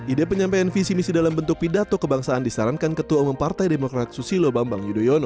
ide penyampaian visi misi dalam bentuk pidato kebangsaan disarankan ketua umum partai demokrat susilo bambang yudhoyono